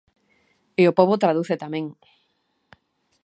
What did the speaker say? E o pobo traduce tamén.